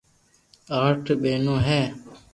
آٺ ٻينو ھي